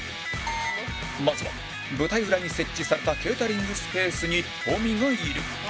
まずは舞台裏に設置されたケータリングスペースにトミがいる